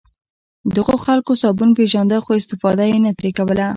دغو خلکو صابون پېژانده خو استفاده یې نه ترې کوله.